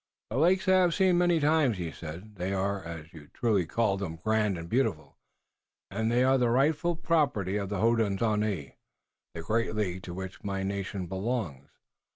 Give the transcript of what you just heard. "The lakes I have seen many times," he said. "They are, as you truly call them, grand and beautiful, and they are the rightful property of the Hodenosaunee, the great League to which my nation belongs.